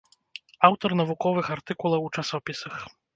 Аўтар навуковых артыкулаў у часопісах.